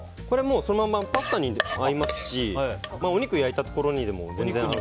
そのままパスタにも合いますしお肉焼いたところにでも全然。